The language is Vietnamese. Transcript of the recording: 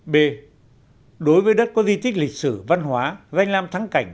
b đối với đất có di tích lịch sử văn hóa danh lam thắng cảnh